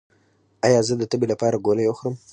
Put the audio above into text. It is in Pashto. ایا زه د تبې لپاره ګولۍ وخورم؟